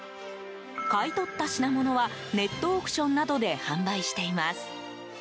買い取った品物はネットオークションなどで販売しています。